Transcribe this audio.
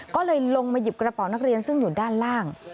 ก็เลยลงมาหยิบกระเป๋านักเรียนซึ่งอยู่ด้านล่าง